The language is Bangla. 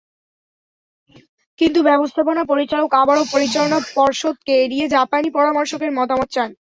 কিন্তু ব্যবস্থাপনা পরিচালক আবারও পরিচালনা পর্ষদকে এড়িয়ে জাপানি পরামর্শকের মতামত চান।